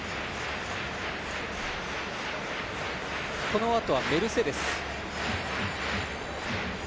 このあとはメルセデス。